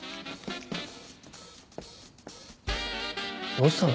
どうしたの？